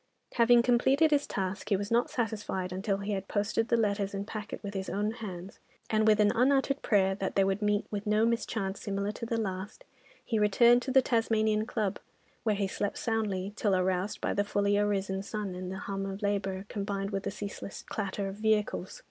Having completed his task, he was not satisfied until he had posted the letters and packet with his own hands, and with an unuttered prayer that they would meet with no mischance similar to the last, he returned to the Tasmanian Club, where he slept soundly till aroused by the fully arisen sun and the hum of labour, combined with the ceaseless clatter of vehicles.